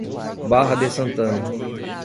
Barra de Santana